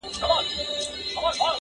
• خوب ته دي راغلی یم شېبه یمه هېرېږمه -